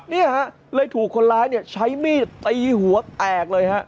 เนี่ยฮะเลยถูกคนร้ายเนี่ยใช้มีดตีหัวแตกเลยฮะ